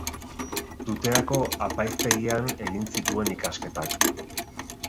Tuterako apaiztegian egin zituen ikasketak.